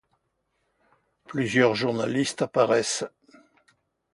Plusieurs journalistes apparaissent.